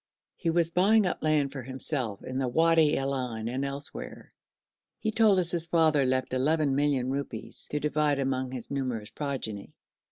He was buying up land for himself in the Wadi Al Ain and elsewhere. He told us his father left eleven million rupees to divide among his numerous progeny.